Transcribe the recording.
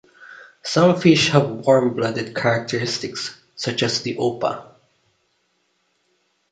Some fish have warm-blooded characteristics, such as the opah.